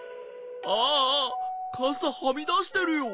ああかさはみだしてるよ。